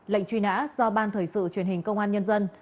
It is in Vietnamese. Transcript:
lệnh truy nã do ban thời sự truyền hình công an nhân dân